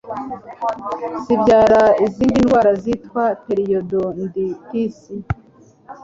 zibyara izindi ndwara zitwa periodontitis